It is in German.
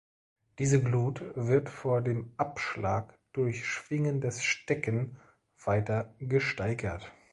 Diese Glut wird vor dem Abschlag durch Schwingen des Stecken weiter gesteigert.